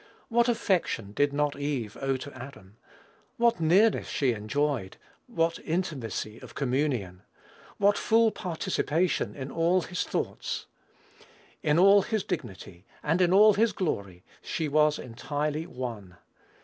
What affection did not Eve owe to Adam! What nearness she enjoyed! What intimacy of communion! What full participation in all his thoughts! In all his dignity, and in all his glory, she was entirely one.